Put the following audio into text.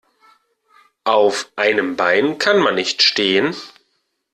Auf einem Bein kann man nicht stehen.